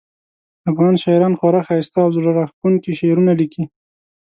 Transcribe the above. افغان شاعران خورا ښایسته او زړه راښکونکي شعرونه لیکي